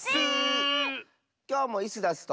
きょうもイスダスと。